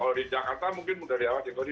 kalau di jakarta mungkin udah diawasin